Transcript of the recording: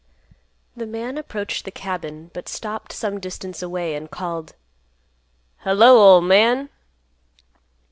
The man approached the cabin, but stopped some distance away and called, "Hello, ol' man!"